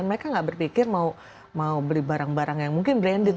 mereka nggak berpikir mau beli barang barang yang mungkin branded